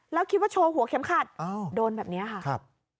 แล้วคิดว่าโชว์หัวเข็มขัดโดนแบบนี้ค่ะครับ